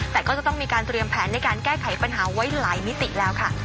แต่ก็จะต้องมีการเตรียมแผนในการแก้ไขปัญหาไว้หลายมิติแล้วค่ะ